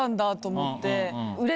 って